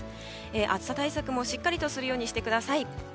暑さ対策も、しっかりするようにしてください。